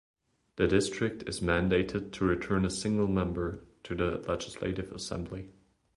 The district is mandated to return a single member to the Legislative Assembly.